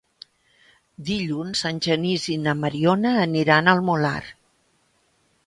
Dilluns en Genís i na Mariona aniran al Molar.